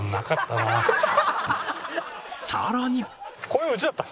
さらに